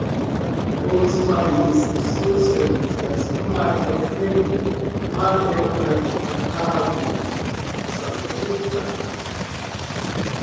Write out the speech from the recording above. Os Estados Unidos condenam os países socialistas mas defendem a teocrática Arábia Saudita